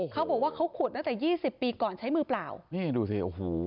เขาบอกว่าเขาขุดตั้งแต่ยี่สิบปีก่อนใช้มือเปล่านี่ดูสิโอ้โห